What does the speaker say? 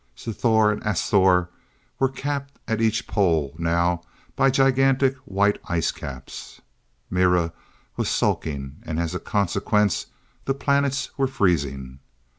Sthor and Asthor were capped at each pole now by gigantic white icecaps. Mira was sulking, and as a consequence the planets were freezing.